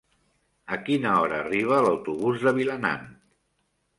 A quina hora arriba l'autobús de Vilanant?